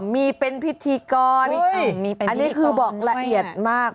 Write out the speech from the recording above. มีเป็นพิธีกรเฮ้ยอ่ามีเป็นพิธีกรอันนี้คือบอกละเอียดมาก